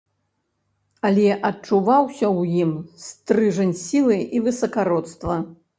Але адчуваўся ў ім стрыжань сілы і высакародства.